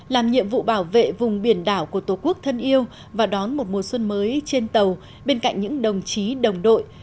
làm nhiệm vụ bảo vệ vùng biển đảo của tổ quốc thân yêu và đón một mùa xuân mới trên tàu bên cạnh những đồng chí đồng đội